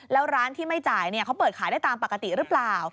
แล้วร้านที่ไม่จ่ายเขาเปิดขายได้ตามปกติหรือเปล่า